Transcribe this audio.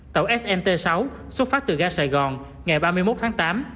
tàu snt sáu xuất phát từ ga sài gòn ngày ba mươi một tháng tám